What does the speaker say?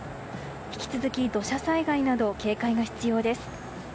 引き続き土砂災害など警戒が必要です。